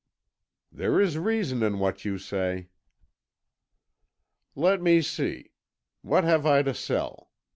"There is reason in what you say." "Let me see. What have I to sell?